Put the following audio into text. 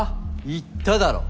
言っただろ。